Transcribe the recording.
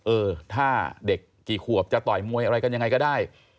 เออถ้าเด็กกี่ขวบจะต่อยมวยอะไรกันยังไงก็ได้